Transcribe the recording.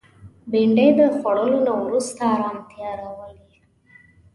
بېنډۍ د خوړلو نه وروسته ارامتیا راولي